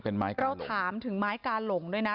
เราถามถึงไม้กาหลงด้วยนะ